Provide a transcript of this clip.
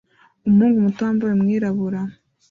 Umuhungu muto wambaye umwirabura